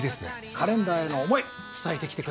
カレンダーへの思い伝えてきて下さい。